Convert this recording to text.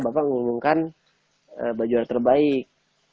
bapak mengumumkan baju yang terbaik